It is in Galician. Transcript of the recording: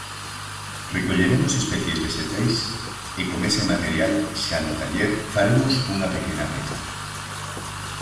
"Recolleremos especies vexetais e, con ese material, xa no taller, faremos unha pequena peza".